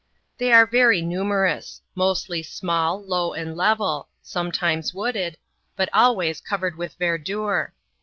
They are very numerous; mostly small, low, and level; sometimes wooded, but always covered with verdure.